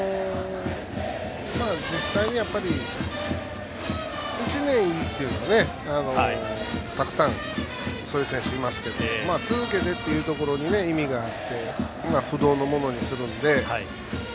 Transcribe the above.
実際に１年いいっていうのは、たくさんそういう選手いますけど続けてっていうところに意味があって不動のものにするので。